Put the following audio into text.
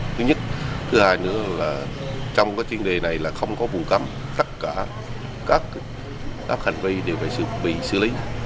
thứ nhất thứ hai nữa là trong cái chuyên đề này là không có vùng cấm tất cả các hành vi đều phải bị xử lý